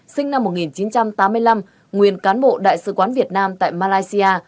sinh năm một nghìn chín trăm tám mươi năm nguyên cán bộ đại sứ quán việt nam tại malaysia